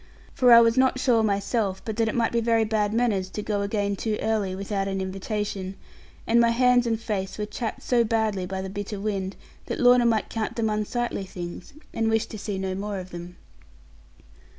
For I was not sure myself, but that it might be very bad manners to go again too early without an invitation; and my hands and face were chapped so badly by the bitter wind, that Lorna might count them unsightly things, and wish to see no more of them.